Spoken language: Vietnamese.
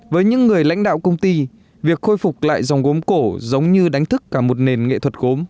với những người lãnh đạo công ty việc khôi phục lại dòng gốm cổ giống như đánh thức cả một nền nghệ thuật gốm